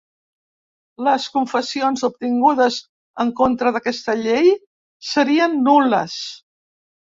Les confessions obtingudes en contra d'aquesta llei serien nul·les.